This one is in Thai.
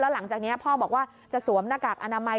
หลังจากนี้พ่อบอกว่าจะสวมหน้ากากอนามัย